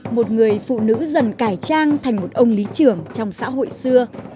một người phụ nữ dần cải trang thành một ông lý trưởng trong xã hội xưa